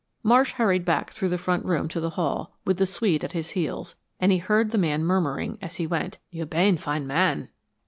Marsh hurried back through the front room to the hall, with the Swede at his heels, and he heard the man murmuring, as he went, "You bane fine man."